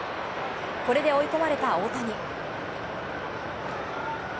これで追い込まれた大谷。